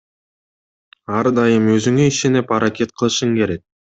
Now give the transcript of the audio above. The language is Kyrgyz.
Ар дайым өзүңө ишенип аракет кылышың керек.